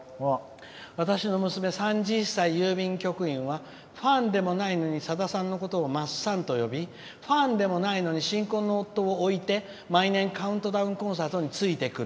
私の娘、３０歳、郵便局員はファンでもないのにさださんのことをまっさんと呼びファンでもないのに新婚の夫を置いて毎年カウントダウンコンサートについてくる。